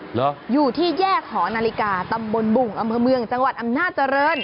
เหรออยู่ที่แยกหอนาฬิกาตำบลบุ่งอำเภอเมืองจังหวัดอำนาจริง